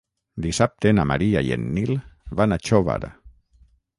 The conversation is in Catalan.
Dissabte na Maria i en Nil van a Xóvar.